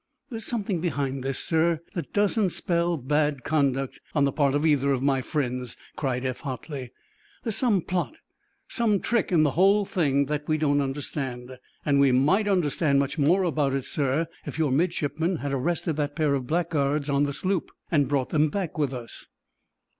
"There is something behind this, sir, that doesn't spell bad conduct on the part of either of my friends," cried Eph, hotly. "There's some plot, some trick in the whole thing that we don't understand. And we might understand much more about it, sir, if your midshipman had arrested that pair of blackguards on the sloop, and brought them back with us."